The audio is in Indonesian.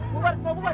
buat semua buat